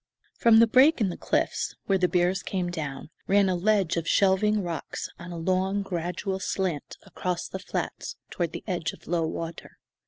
From the break in the cliffs, where the bears came down, ran a ledge of shelving rocks on a long, gradual slant across the flats toward the edge of low water.